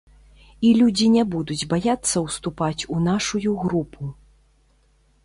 І людзі не будуць баяцца ўступаць у нашую групу.